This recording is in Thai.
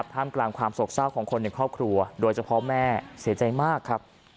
ท่ามกลางความโศกเศร้าของคนในครอบครัวโดยเฉพาะแม่เสียใจมากครับ